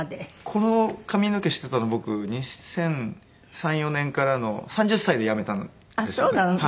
この髪の毛していたの僕２００３２００４年からの３０歳でやめたんですよね。